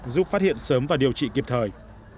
giúp phát hiện sớm và điều trị kịp thời